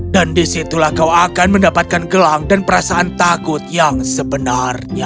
dan disitulah kau akan mendapatkan gelang dan perasaan takut yang sebenarnya